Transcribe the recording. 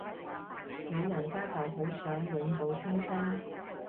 老人家就好想永葆青春